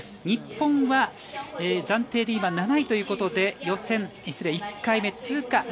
日本は暫定で７位ということで予選、失礼、１回目通過。